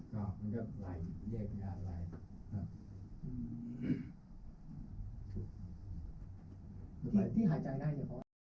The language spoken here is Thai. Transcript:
แล้วก็ไลน์เรียกได้ไลน์